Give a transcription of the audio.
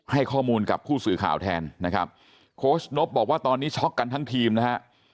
ให้ข้อมูลกับผู้สื่อข่าวแทนนะครับโค้ชนบบอกว่าตอนนี้ช็อกกันทั้งทีมนะฮะ